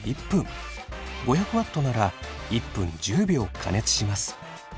５００Ｗなら１分１０秒加熱します。